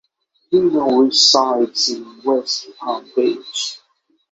He now resides in West Palm Beach.